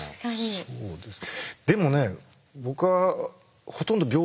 そうですか。